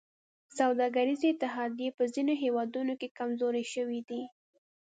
سوداګریزې اتحادیې په ځینو هېوادونو کې کمزورې شوي دي